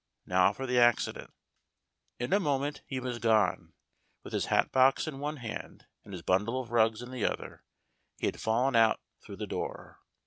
Now for the accident." In a moment he was gone. With his hat box in one hand and his bundle of rugs in the other, he had fallen out through the door.